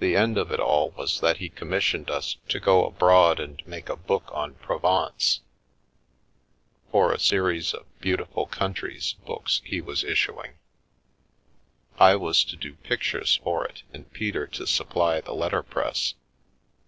The end of it all was that he commissioned us to go abroad and make a book on Provence, for a series of "Beautiful Countries " books he was issuing; I was to do pictures for it and Peter to supply the letterpress.